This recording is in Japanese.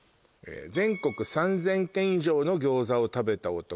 「全国３０００軒以上の餃子を食べた男」